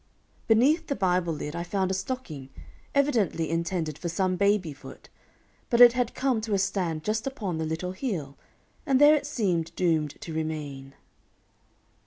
Beneath the Bible lid I found a stocking, evidently intended for some baby foot; but it had come to a stand just upon the little heel, and there it seemed doomed to remain.